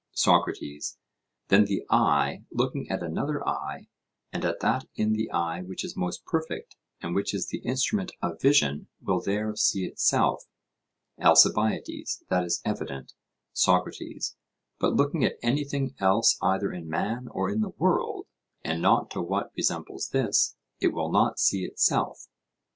SOCRATES: Then the eye, looking at another eye, and at that in the eye which is most perfect, and which is the instrument of vision, will there see itself? ALCIBIADES: That is evident. SOCRATES: But looking at anything else either in man or in the world, and not to what resembles this, it will not see itself?